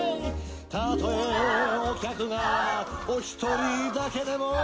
「たとえお客がおひとりだけでも」